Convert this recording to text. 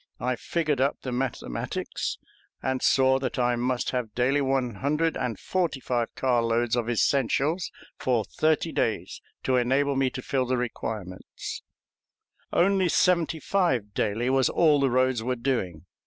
I figured up the mathematics, and saw that I must have daily one hundred and forty five car loads of essentials for thirty days to enable me to fill the requirement. Only seventy five daily was all the roads were doing.